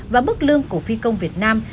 và mức lương của phi công việt nam